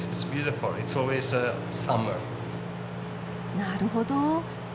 なるほど。